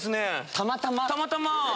たまたま。